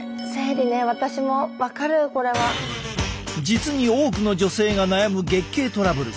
実に多くの女性が悩む月経トラブル。